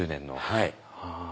はい。